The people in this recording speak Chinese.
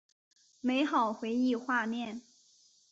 美好回忆画面